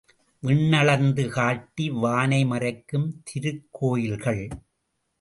விண்ணளந்து காட்டி வானை மறைக்கும் திருக்கோயில்கள்!